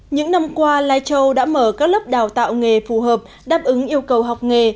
những năm qua lai châu đã mở các lớp đào tạo nghề phù hợp đáp ứng yêu cầu học nghề